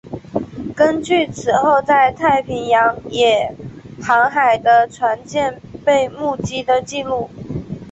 根据此后在北太平洋也航海的船舰被目击的记录。